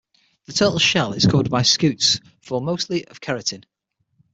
The turtle's shell is covered by scutes formed mostly of keratin.